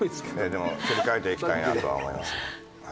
でも切り替えていきたいなとは思いますねはい。